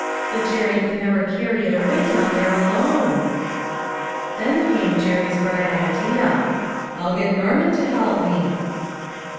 but Jerry can never carry it away down there alone." Then came Jerry's bright idea. "I'll get Norman to help me."